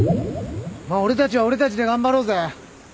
まあ俺たちは俺たちで頑張ろうぜ。